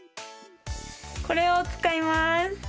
これを使います！